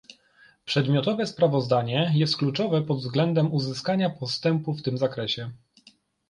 Przedmiotowe sprawozdanie jest kluczowe pod względem uzyskania postępu w tym zakresie